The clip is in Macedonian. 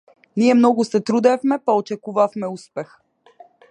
Ние многу се трудевме па очекуваме успех.